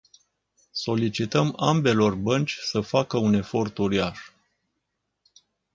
Solicităm ambelor bănci să facă un efort uriaș.